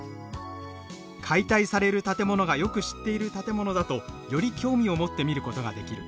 「解体される建物がよく知っている建物だとより興味を持って見ることができる。